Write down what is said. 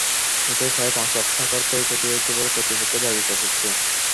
এতে প্রায় পাঁচ লাখ টাকার ক্ষয়ক্ষতি হয়েছে বলে কর্তৃপক্ষ দাবি করেছে।